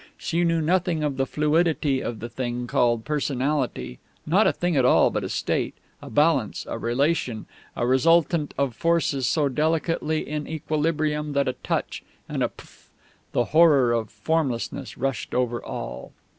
She knew nothing of the fluidity of the thing called Personality not a thing at all, but a state, a balance, a relation, a resultant of forces so delicately in equilibrium that a touch, and pff! the horror of Formlessness rushed over all.